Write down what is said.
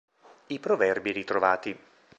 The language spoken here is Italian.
I proverbi ritrovati.